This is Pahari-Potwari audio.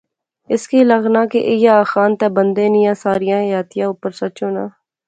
اس کی لغنا کہ ایہہ آخان تہ بندے نیاں ساریا حیاتیا اوپر سچ ہونا